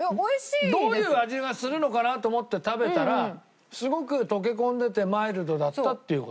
どういう味がするのかな？と思って食べたらすごく溶け込んでてマイルドだったっていう事。